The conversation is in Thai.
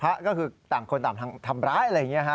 ก็คือต่างคนต่างทำร้ายอะไรอย่างนี้ฮะ